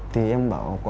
thì em nhận lời là có